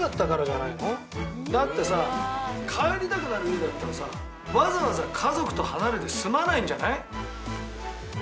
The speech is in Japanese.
だってさ帰りたくなる家だったらさわざわざ家族と離れて住まないんじゃない？